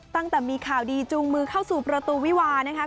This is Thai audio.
ตั้งแต่มีข่าวดีจูงมือเข้าสู่ประตูวิวานะคะ